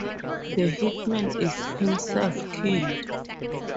The hitman is himself killed.